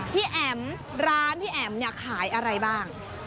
แอ๋มร้านพี่แอ๋มเนี่ยขายอะไรบ้าง